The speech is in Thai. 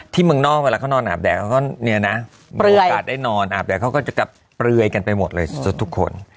เมืองนอกเวลาเขานอนอาบแดดเขาก็เนี่ยนะมีโอกาสได้นอนอาบแดดเขาก็จะกลับเปลือยกันไปหมดเลยสุดทุกคน